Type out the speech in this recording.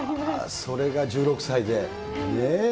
それが１６歳で。